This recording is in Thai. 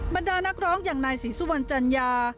บรรดานักร้องอย่างนายศรีสุวรรณจัญญา